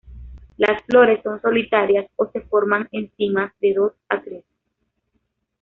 Las flores son solitarias o se forman en cimas de dos a tres.